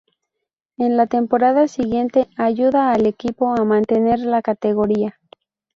En la temporada siguiente ayuda al equipo a mantener la categoría.